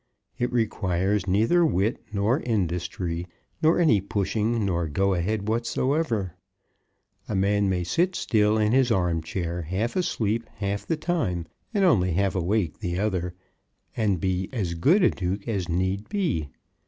It requires neither wit nor industry, nor any pushing nor go ahead whatsoever. A man may sit still in his arm chair, half asleep half his time, and only half awake the other, and be as good a duke as need be.